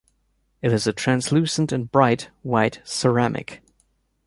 It is a translucent and bright, white ceramic.